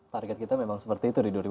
target kita memang sebagus ini